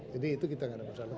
jadi itu kita nggak ada bersahabat